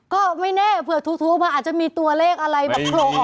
ก็ไม่แน่เผื่อถูมาอาจจะมีเลขอะไรแบบโปรออกมา